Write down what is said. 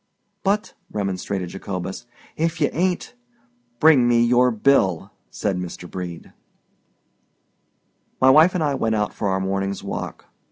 "But," remonstrated Jacobus, "ef ye ain't——" "Bring me your bill!" said Mr. Brede. My wife and I went out for our morning's walk.